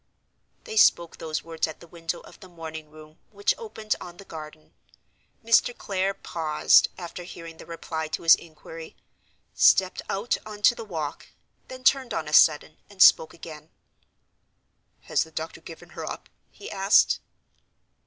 They spoke those words at the window of the morning room which opened on the garden. Mr. Clare paused, after hearing the reply to his inquiry, stepped out on to the walk, then turned on a sudden, and spoke again: "Has the doctor given her up?" he asked.